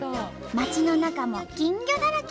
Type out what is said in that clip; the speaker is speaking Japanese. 町の中も金魚だらけ！